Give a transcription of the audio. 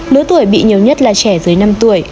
lứa tuổi bị nhiều nhất là trẻ dưới năm tuổi